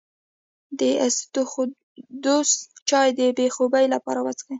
د اسطوخودوس چای د بې خوبۍ لپاره وڅښئ